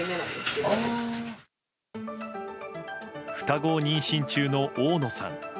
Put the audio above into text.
双子を妊娠中の大野さん。